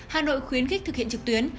hà nội khuyến khích thực hiện trực tuyến